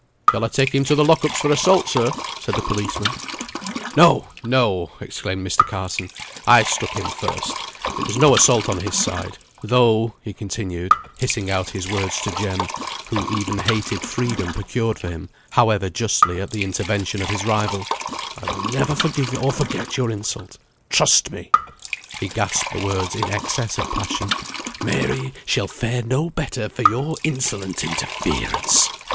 "Shall I take him to the lock ups for assault, sir?" said the policeman. "No, no," exclaimed Mr. Carson; "I struck him first. It was no assault on his side; though," he continued, hissing out his words to Jem, who even hated freedom procured for him, however justly, at the intervention of his rival, "I will never forgive or forget your insult. Trust me," he gasped the words in excess of passion, "Mary shall fare no better for your insolent interference."